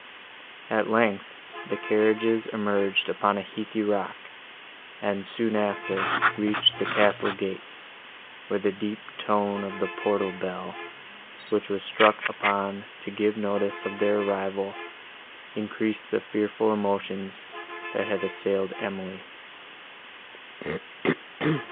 At length, the carriages emerged upon a heathy rock, and, soon after, reached the castle gates, where the deep tone of the portal bell, which was struck upon to give notice of their arrival, increased the fearful emotions, that had assailed Emily.